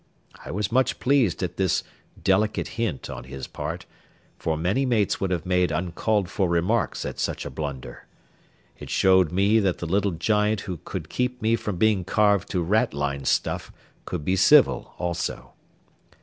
I was much pleased at this delicate hint on his part, for many mates would have made uncalled for remarks at such a blunder. It showed me that the little giant who could keep me from being carved to rat line stuff could be civil also.